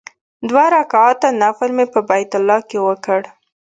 دوه رکعاته نفل مې په بیت الله کې وکړ.